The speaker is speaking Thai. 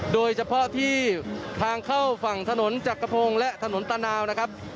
โดยเฉพาะที่ทางเข้าฝั่งถนนจักรพงศ์และถนนตานาวนะครับ